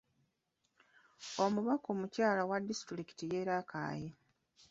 Omubaka omukyala owa Disitulikiti y'e Rakai